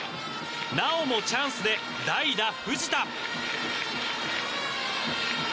なおも、チャンスで代打、藤田。